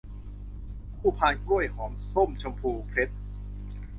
คู่พานกล้วยหอมส้มชมพูเพชร